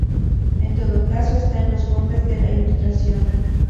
En todo caso, está en los bordes de la Ilustración.